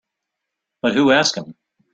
But who asked him?